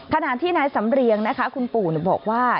ขณะที่นายสำเรียงนะคะคุณปู่บอกว่า